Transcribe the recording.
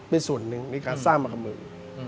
เป็นส่วนนึงในการสร้างมากับมือ